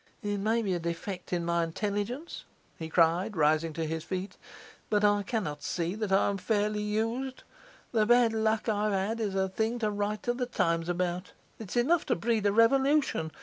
'It may be a defect in my intelligence,' he cried, rising to his feet, 'but I cannot see that I am fairly used. The bad luck I've had is a thing to write to The Times about; it's enough to breed a revolution.